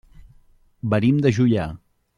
Venim de Juià.